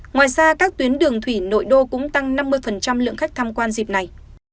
ngoài ra các tuyến đường thủy nội đô cũng tăng năm mươi lượng khách tham quan dịp này